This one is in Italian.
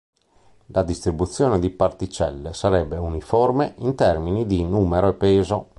La distribuzione di particelle sarebbe uniforme in termini di numero e peso.